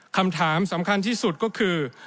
คำถามสำคัญที่สุดก็คือ